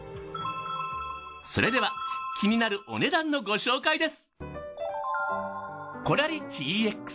それでは気になるお値段のご紹介です。